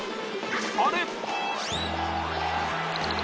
あれ？